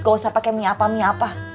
gak usah pakai mie apa mie apa